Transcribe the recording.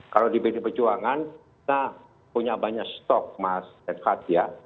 kalau di bd perjuangan kita punya banyak stok mas redhat ya